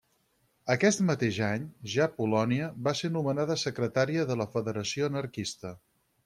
Aquest mateix any, ja a Polònia, va ser nomenada secretària de la Federació Anarquista.